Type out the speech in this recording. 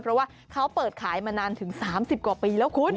เพราะว่าเขาเปิดขายมานานถึง๓๐กว่าปีแล้วคุณ